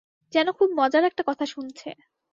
যেন খুব মজার একটা কথা শুনছে।